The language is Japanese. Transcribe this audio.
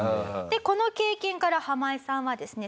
でこの経験からハマイさんはですね。